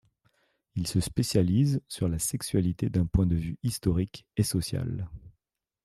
Il se spécialise sur la sexualité d'un point de vue historique et social.